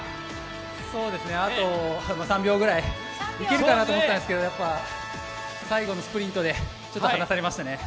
あと３秒くらい、いけるかなと思ったんですけど、やっぱり最後のスプリントでちょっと離されましたね。